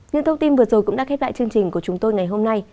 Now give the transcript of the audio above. những thông tin vừa rồi cũng đã khép lại chương trình của chúng tôi ngày hôm nay